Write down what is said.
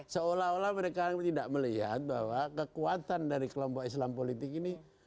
seolah olah mereka tidak melihat bahwa kekuatan dari kelompok islam politik ini